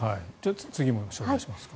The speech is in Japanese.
次も紹介しますか。